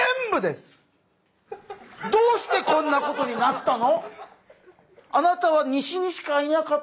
どうしてこんな事になったの？